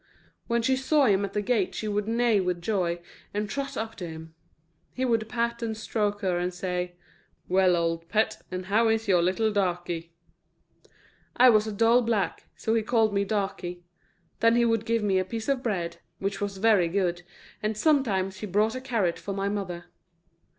When she saw him at the gate she would neigh with joy, and trot up to him. He would pat and stroke her and say, "Well, old Pet, and how is your little Darkie?" I was a dull black, so he called me Darkie; then he would give me a piece of bread, which was very good, and sometimes he brought a carrot for my mother.